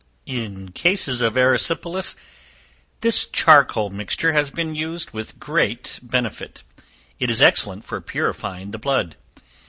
In cases of erysipelas, the "charcoal mixture" has been used with great benefit; it is excellent for purifying the blood.